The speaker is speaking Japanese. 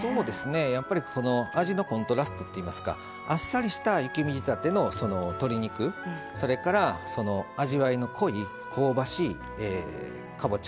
やっぱり味のコントラストといいますかあっさりした雪見仕立ての鶏肉、それから味わいの濃い香ばしい、かぼちゃ。